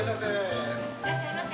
いらっしゃいませ。